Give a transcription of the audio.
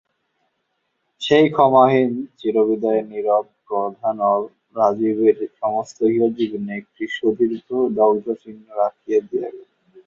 সেই ক্ষমাহীন চিরবিদায়ের নীরব ক্রোধানল রাজীবের সমস্ত ইহজীবনে একটি সুদীর্ঘ দগ্ধচিহ্ন রাখিয়া দিয়া গেল।